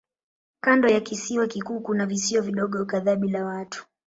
Kando ya kisiwa kikuu kuna visiwa vidogo kadhaa bila watu.